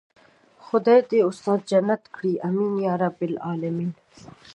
خدای دې استاد جنت کړي آمين يارب العالمين.